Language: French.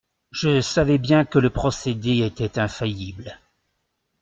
Je savais bien que le procédé était infaillible.